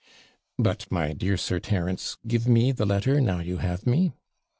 'But, my dear Sir Terence, give me the letter now you have me.'